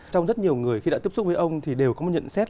trong rất nhiều người khi đã tiếp xúc với ông thì đều có một nhận xét